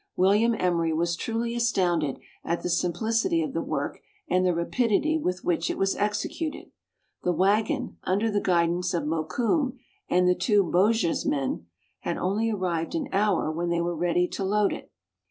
William Emery was truly astounded at the simplicity of the work and the rapidity with which it was executed. The waggon, under the guidance of Mokoum and the two Bochjesmen, had only arrived an hour when they were ready to load it.